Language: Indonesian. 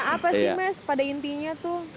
apa sih mas pada intinya tuh